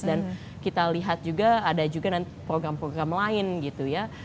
dan kita lihat juga ada juga program program lain gitu ya